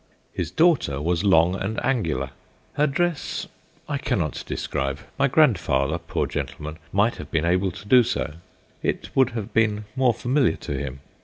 His daughter was long and angular. Her dress I cannot describe: my grandfather, poor gentleman, might have been able to do so; it would have been more familiar to him.